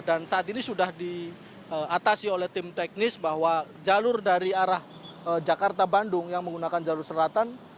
dan saat ini sudah diatasi oleh tim teknis bahwa jalur dari arah jakarta bandung yang menggunakan jalur selatan